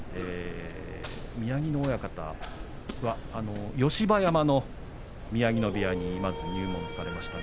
宮城野親方は吉葉山の宮城野部屋にまず入門されました。